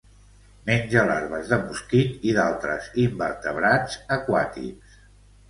Menja larves de mosquit i d'altres invertebrats aquàtics.